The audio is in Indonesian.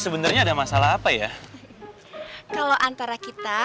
hanya supaya kita baik